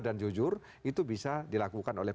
dan jujur itu bisa dilakukan oleh